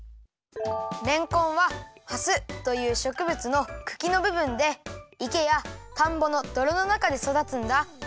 れんこんは「はす」というしょくぶつのくきのぶぶんでいけやたんぼのどろのなかでそだつんだ。